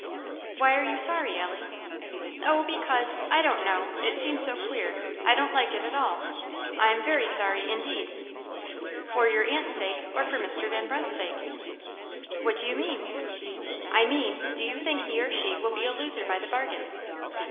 "Why are you sorry, Ellie?" "Oh because I don't know it seems so queer! I don't like it at all. I am very sorry, indeed." "For your aunt's sake, or for Mr. Van Brunt's sake?" "What do you mean?" "I mean, do you think he or she will be a loser by the bargain?"